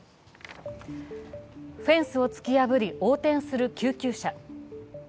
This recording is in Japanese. フェンスを突き破り、横転する救急車。